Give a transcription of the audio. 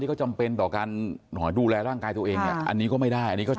ที่ก็จำเป็นต่อการดูแลร่างกายตัวเองอันนี้ก็ไม่ได้